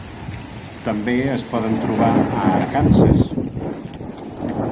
També es poden trobar a Arkansas.